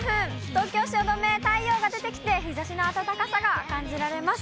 東京・汐留、太陽が出てきて、日ざしの暖かさが感じられます。